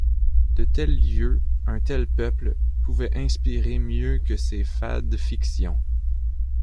De tels lieux, un tel peuple, pouvaient inspirer mieux que ces fades fictions.